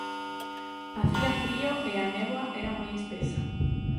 Facía frío e a néboa era moi espesa.